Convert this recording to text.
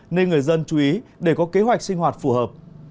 nên người dân chú ý để có kế hoạch sinh hoạt phù hợp